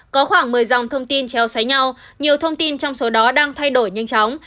có khoảng một mươi dòng thông tin treo xé nhau nhiều thông tin trong số đó đang thay đổi nhanh chóng